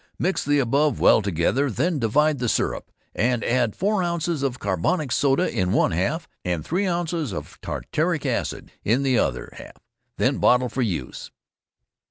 Mix the above well together, then divide the syrup, and add four ounces of carbonic soda in one half, and three ounces of tartaric acid in the other half; then bottle for use.